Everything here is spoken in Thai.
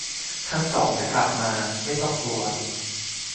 ทั้งสองจะกลับมา ไม่ต้องกลัว